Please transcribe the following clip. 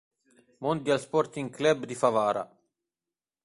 Mondial Sporting Club di Favara.